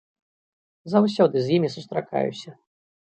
Заўсёды з імі сустракаюся.